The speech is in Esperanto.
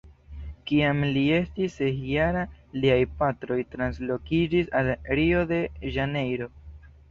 Kiam li estis ses-jara, liaj patroj translokiĝis al Rio-de-Ĵanejro.